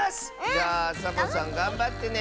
じゃあサボさんがんばってね！